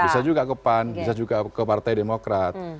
bisa juga ke pan bisa juga ke partai demokrat